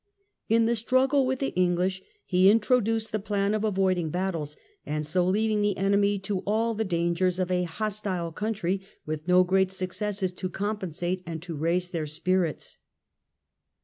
In the struggle with the English he introduced the plan of avoiding battles, and so leaving the enemy to all the dangers of a hostile country with no great successes to compensate and to raise their spirits.